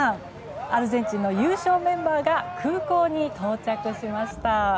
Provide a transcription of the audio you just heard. アルゼンチンの優勝メンバーが空港に到着しました。